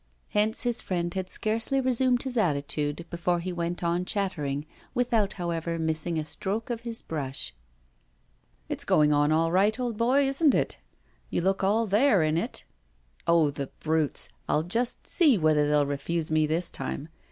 Hence his friend had scarcely resumed his attitude before he went on chattering, without, however, missing a stroke of his brush. 'It's going on all right, old boy, isn't it? You look all there in it. Oh, the brutes, I'll just see whether they'll refuse me this time.